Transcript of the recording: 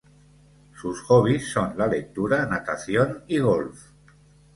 Sus hobbies son la lectura, natación y golf.